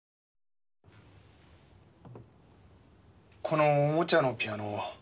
このおもちゃのピアノ